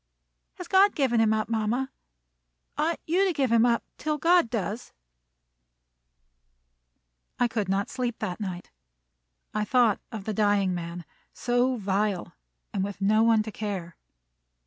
"Has God given him up, mama? Ought you to give him up till God does?" I could not sleep that night. I thought of the dying man, so vile, and with no one to care!